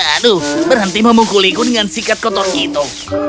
aduh berhenti memungkuliku dengan sikat kotor itu